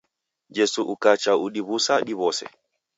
Jesu ukacha udiw'usa diw'ose.